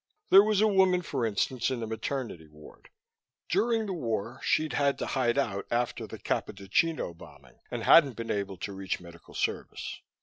There was a woman, for instance, in the maternity ward. During the war, she'd had to hide out after the Capodichino bombing and hadn't been able to reach medical service.